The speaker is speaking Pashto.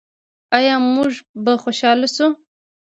آیا موږ به خوشحاله شو؟